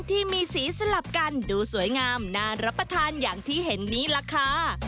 ที่มีสีสลับกันดูสวยงามน่ารับประทานอย่างที่เห็นนี้ล่ะค่ะ